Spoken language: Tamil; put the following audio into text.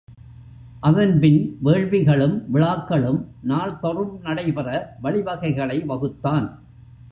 அதன்பின் வேள்விகளும், விழாக்களும் நாள்தொறும் நடைபெற வழிவகைகளை வகுத்தான்.